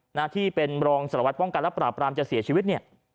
หน้าที่เป็นรองสารวัตรป้องกันและปราบรามจะเสียชีวิตเนี่ย